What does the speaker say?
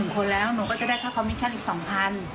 คนแล้วหนูก็จะได้ค่าคอมมิชชั่นอีก๒๐๐บาท